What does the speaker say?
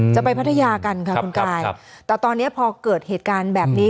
พัทยากันค่ะคุณกายแต่ตอนนี้พอเกิดเหตุการณ์แบบนี้